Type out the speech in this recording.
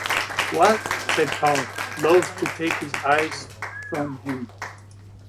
“What?” said Paul, loath to take his eyes from this.